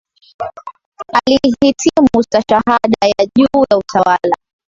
Alihitimu stashahada ya juu ya Utawala